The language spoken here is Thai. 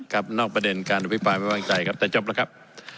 นอกประเด็นการอภิปรายไม่วางใจครับแต่จบแล้วครับ